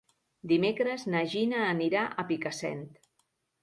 Dimecres na Gina anirà a Picassent.